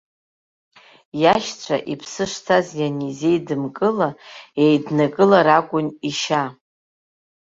Иашьцәа иԥсы шҭаз ианизеидымкыла, еиднакылар акәын ишьа.